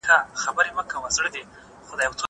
زه اجازه لرم چي کتابتون ته ولاړ سم!!